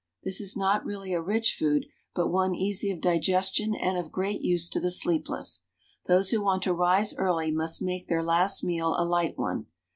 This is not really a rich food, but one easy of digestion and of great use to the sleepless. Those who want to rise early must make their last meal a light one.